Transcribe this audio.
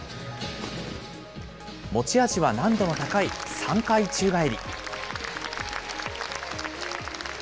持ち味は難度の高い３回宙返り。